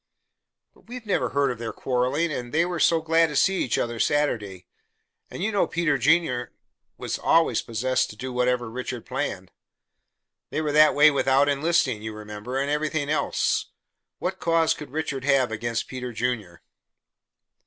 "But we have never heard of their quarreling, and they were so glad to see each other Saturday. And you know Peter Junior was always possessed to do whatever Richard planned. They were that way about enlisting, you remember, and everything else. What cause could Richard have against Peter Junior?"